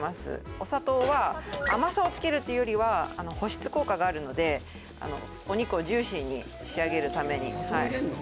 お砂糖は甘さをつけるっていうよりは保湿効果があるのでお肉をジューシーに仕上げるために砂糖入れんの？